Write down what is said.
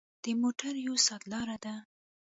د موټر یو ساعت لاره ده.